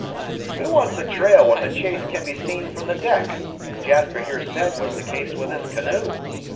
"Who wants a trail when the chase can be seen from the deck, as Jasper here said was the case with this canoe?